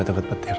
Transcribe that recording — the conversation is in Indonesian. aduh ya tidur